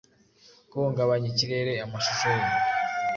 guhungabanya ikirere; amashusho ye